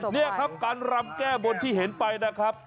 นี่ครับการรำแก้บนที่เห็นไปนะครับ